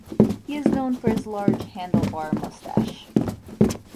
He is known for his large handlebar moustache.